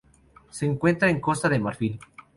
Se encuentra en Costa de Marfil.